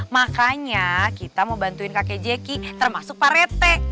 makanya kita mau bantuin kakek jaki termasuk pak rete